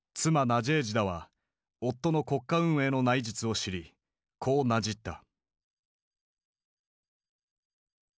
ナジェージダは夫の国家運営の内実を知りこうなじった。